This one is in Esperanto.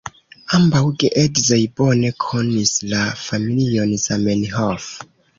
Ambaŭ geedzoj bone konis la familion Zamenhof.